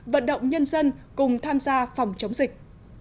vận động nhân dân cùng tham gia phòng chống dịch